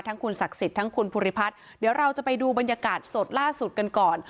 คุณศักดิ์สิทธิ์ทั้งคุณภูริพัฒน์เดี๋ยวเราจะไปดูบรรยากาศสดล่าสุดกันก่อน